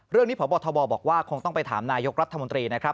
เรื่องนี้ผอบทบบอกว่าคงต้องไปถามนายกรัฐมนตรีนะครับ